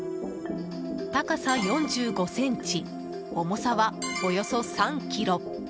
高さ４５ｃｍ重さはおよそ３ｋｇ。